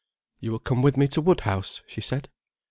"You will come with me to Woodhouse?" she said.